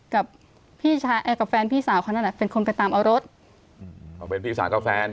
กับพี่ชายกับแฟนพี่สาวเขานั่นแหละเป็นคนไปตามเอารถอืมเขาเป็นพี่สาวกับแฟน